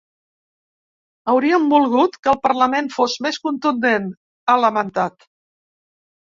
Hauríem volgut que el parlament fos més contundent, ha lamentat.